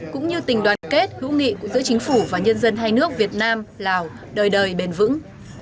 cũng như tình đoàn kết hữu nghị giữa chính phủ và nhân dân hai nước việt nam lào đời đời bền vững